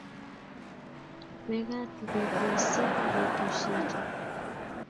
mekat ngwek mising' betusiechu.